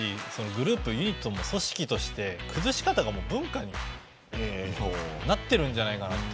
グループＥの組織として崩し方が文化になっているんじゃないかなと。